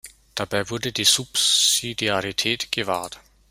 Dabei wurde die Subsidiarität gewahrt.